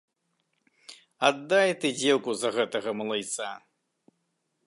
Аддай ты дзеўку за гэтага малайца.